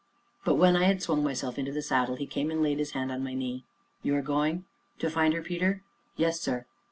But, when I had swung myself into the saddle, he came and laid his hand upon my knee. "You are going to find her, Peter?" "Yes, sir."